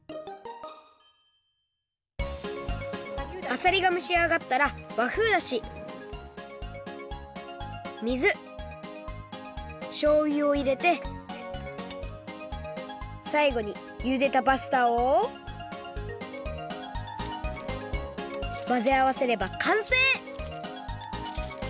あさりがむしあがったらわふうだし水しょうゆをいれてさいごにゆでたパスタをまぜあわせればかんせい！